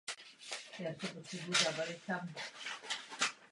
Studoval na univerzitě v Poitiers a doktorát získal na Sorbonně.